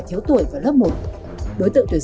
thiếu tuổi vào lớp một đối tượng tuyển